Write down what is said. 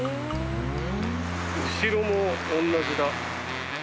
後ろも同じだ。